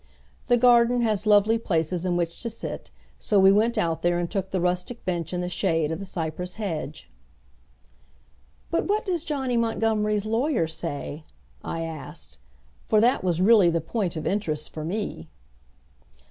The garden has lovely places in which to sit, so we went out there and took the rustic bench in the shade of the cypress hedge. "But what does Johnny Montgomery's lawyer say?" I asked, for that was really the point of interest for me.